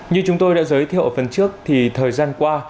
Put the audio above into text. như chúng tôi đã giới thiệu ở phần trước thì thời gian qua